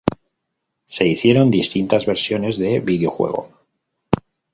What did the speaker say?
Se hicieron distintas versiones de videojuego.